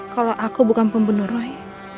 kalau aku bukan pembunuh roy